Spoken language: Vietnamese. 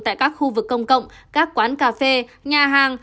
tại các khu vực công cộng các quán cà phê nhà hàng